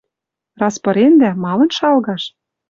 Раз пырендӓ, малын шалгаш?